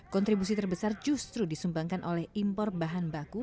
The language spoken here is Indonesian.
kontribusi terbesar justru disumbangkan oleh impor bahan baku